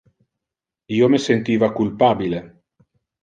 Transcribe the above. Io me sentiva culpabile.